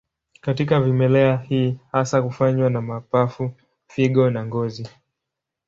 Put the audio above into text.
Katika vimelea hii hasa hufanywa na mapafu, figo na ngozi.